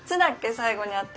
最後に会ったの。